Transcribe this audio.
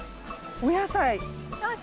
お野菜。